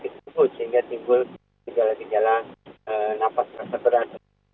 sehingga timbul gejala gejala nafas terseperan